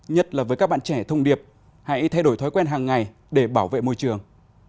nhất là với các bạn trẻ thông điệp hãy thay đổi thói quen hàng ngày để bảo vệ môi trường